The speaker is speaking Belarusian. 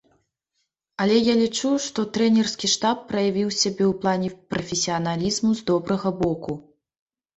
Але я лічу, што трэнерскі штаб праявіў сябе ў плане прафесіяналізму з добрага боку.